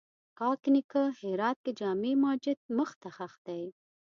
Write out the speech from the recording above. کاک نیکه هرات کښې جامع ماجت مخ ته ښخ دی